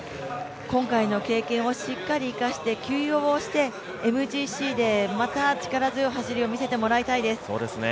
今回の経験をしっかり生かして、休養をしてＭＧＣでまた力強い走りを見せてもらいたいです。